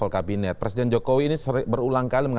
adakah apa perspektif selanjutnya